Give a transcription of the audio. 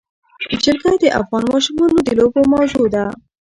جلګه د افغان ماشومانو د لوبو موضوع ده.